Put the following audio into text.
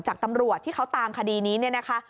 จากตำรวจที่เขาตามคดีนี้เนี่ยนะคะ